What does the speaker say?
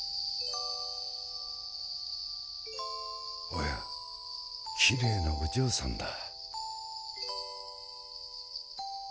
おや綺麗なお嬢さんだ。